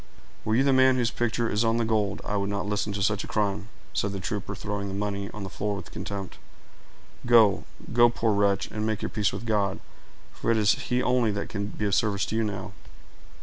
"Were you the man whose picture is on the gold, I would not listen to such a crime," said the trooper, throwing the money on the floor with contempt. "Go—go, poor wretch, and make your peace with God; for it is He only that can be of service to you now."